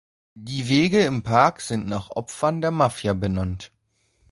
Die Wege im Park sind nach Opfern der Mafia benannt.